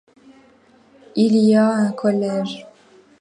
Il y a un collège.